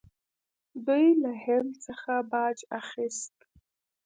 دوی له هند څخه باج اخیست